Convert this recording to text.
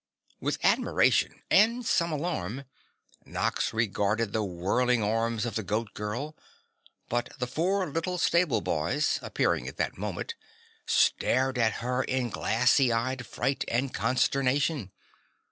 With admiration and some alarm, Nox regarded the whirling arms of the Goat Girl, but the four little stable boys, appearing at that moment, stared at her in glassy eyed fright and consternation.